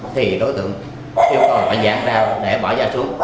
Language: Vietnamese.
thì đối tượng yêu cầu là phải dán ra để bỏ dao xuống